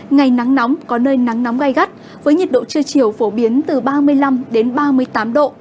ngày nắng nóng có nơi nắng nóng gai gắt với nhiệt độ trưa chiều phổ biến từ ba mươi năm ba mươi tám độ